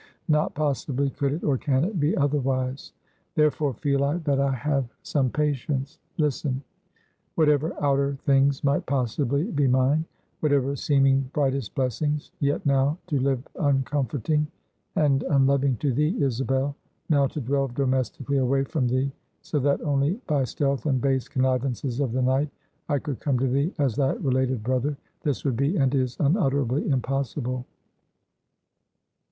Not possibly could it, or can it, be otherwise. Therefore feel I, that I have some patience. Listen. Whatever outer things might possibly be mine; whatever seeming brightest blessings; yet now to live uncomforting and unloving to thee, Isabel; now to dwell domestically away from thee; so that only by stealth, and base connivances of the night, I could come to thee as thy related brother; this would be, and is, unutterably impossible.